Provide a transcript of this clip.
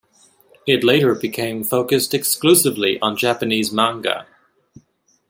It later became focussed exclusively on Japanese manga.